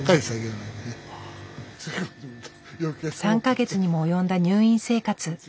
３か月にも及んだ入院生活。